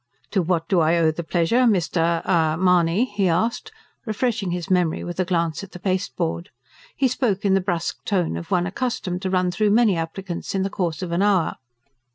"To what do I owe the pleasure, Mr.... er ... Mahony?" he asked, refreshing his memory with a glance at the pasteboard. He spoke in the brusque tone of one accustomed to run through many applicants in the course of an hour.